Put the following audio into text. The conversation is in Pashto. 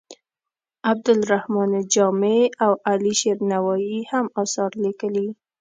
عبدالرحمان جامي او علي شیر نوایې هم اثار لیکلي.